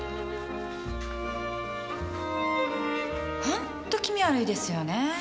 ほんと気味悪いですよね。